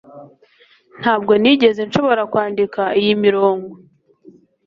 ntabwo nigeze nshobora kwandika iyi mirongo